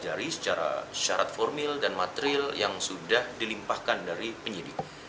pelajari secara syarat formil dan material yang sudah dilimpahkan dari penyidik